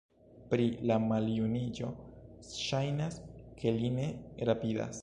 Pri la maljuniĝo, ŝajnas, ke li ne rapidas.